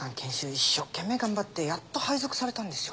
一生懸命頑張ってやっと配属されたんですよ？